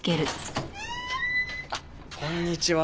あっこんにちは。